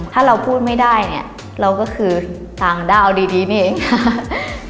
ถ้าเราพูดไม่ได้เนี่ยเราก็คือต่างด้าวดีนี่เองค่ะ